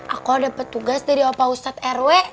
aku ada petugas dari pak ustadz rw